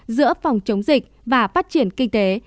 giữa phòng chống dịch và phát triển kinh tế